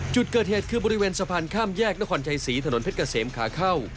จุดเกิดเหตุคือบริเวณสะพานข้ามแยกนครชัยศรีถนนเพชรเกษมขาเข้า